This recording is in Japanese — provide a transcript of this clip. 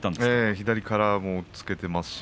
左から押っつけてますね。